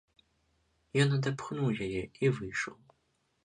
Ён адапхнуў яе і выйшаў.